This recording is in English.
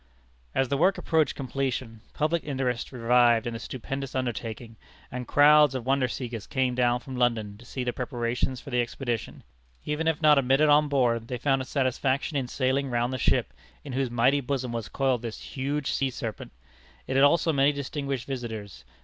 As the work approached completion, public interest revived in the stupendous undertaking, and crowds of wonder seekers came down from London to see the preparations for the expedition. Even if not admitted on board, they found a satisfaction in sailing round the great ship, in whose mighty bosom was coiled this huge sea serpent. It had also many distinguished visitors.